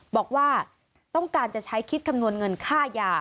บอกว่าต้องการจะใช้คิดคำนวณเงินค่ายา